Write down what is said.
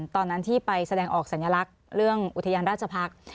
ตอนนั้นที่ไปแสดงออกสัญลักษณ์เรื่องอุทยานราชพักษ์